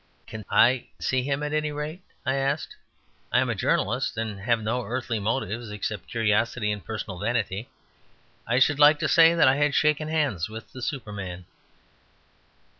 "Can I see him, at any rate?" I asked. "I am a journalist, and have no earthly motives except curiosity and personal vanity. I should like to say that I had shaken hands with the Superman."